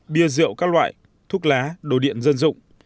bia rượu các loại thuốc lá đồ điện dân dụng